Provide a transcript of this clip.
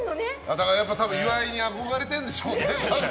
だから岩井に憧れてるんでしょうね。